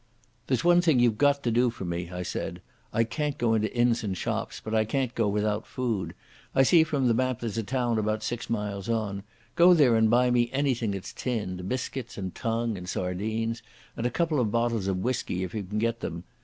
"There's one thing you've got to do for me," I said. "I can't go into inns and shops, but I can't do without food. I see from the map there's a town about six miles on. Go there and buy me anything that's tinned—biscuits and tongue and sardines, and a couple of bottles of whisky if you can get them.